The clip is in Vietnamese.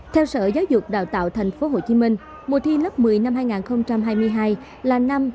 theo sở giáo dục đào tạo tp hcm mùa thi lớp một mươi năm hai nghìn hai mươi hai là năm